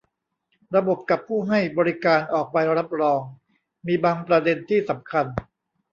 ระบบกับผู้ให้บริการออกใบรับรอง มีบางประเด็นที่สำคัญ